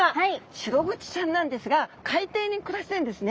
シログチちゃんなんですが海底に暮らしているんですね。